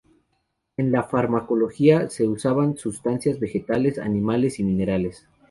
En la farmacología, se usaban sustancias vegetales, animales y minerales.